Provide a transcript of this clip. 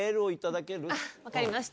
分かりました。